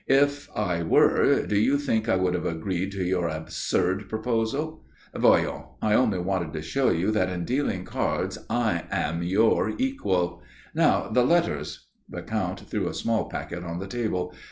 "If I were, do you think I would have agreed to your absurd proposal? Voyons, I only wanted to show you that in dealing cards I am your equal. Now, the letters " The Count threw a small packet on the table.